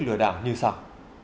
lừa đảo như sao